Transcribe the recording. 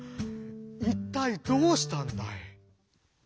いったいどうしたんだい？」。